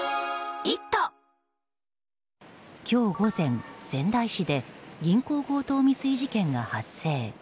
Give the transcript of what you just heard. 今日午前、仙台市で銀行強盗未遂事件が発生。